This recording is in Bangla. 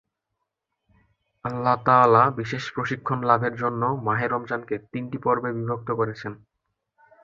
আল্লাহ তাআলা বিশেষ প্রশিক্ষণ লাভের জন্য মাহে রমজানকে তিনটি পর্বে বিভক্ত করেছেন।